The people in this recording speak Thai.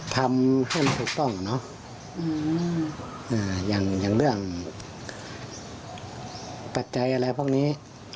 ทำให้ถูกต้องเนาะอย่างเรื่องปัจจัยอะไรพวกนี้